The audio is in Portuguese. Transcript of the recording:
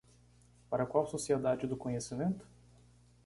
Para qual Sociedade do Conhecimento?